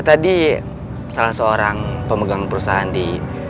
tadi salah seorang pemegang perusahaan di